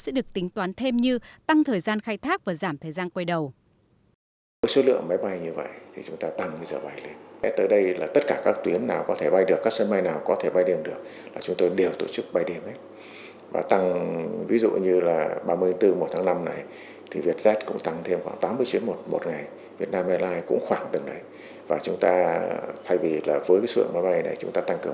sẽ được tính toán thêm như tăng thời gian khai thác và giảm thời gian quay đầu